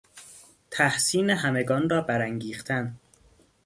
تحسین همگان را برانگیختن